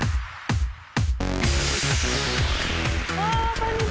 こんにちは。